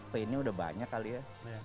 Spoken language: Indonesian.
painnya udah banyak kali ya